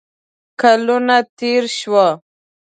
کلونه تیر شوه